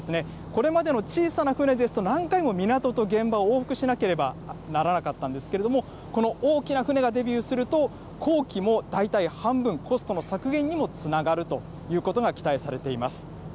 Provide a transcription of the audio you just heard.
これまでの小さな船ですと、何回も港と現場を往復しなければならなかったんですけれども、この大きな船がデビューすると工期も大体半分、コストの削減にもつながるということが期待されています。